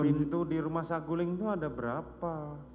pintu di rumah saguling itu ada berapa